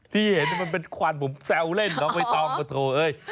ที่เห็นมันเป็นควันผมแซวเล่นเขาไปต้องกระโทร